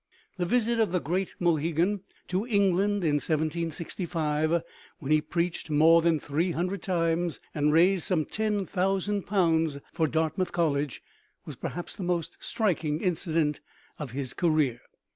The visit of "the great Mohegan" to England in 1765, when he preached more than three hundred times and raised some ten thousand pounds for Dartmouth College, was perhaps the most striking incident of his career.